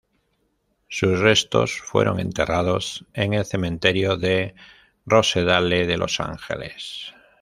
Sus restos fueron enterrados en el Cementerio de Rosedale de Los Ángeles.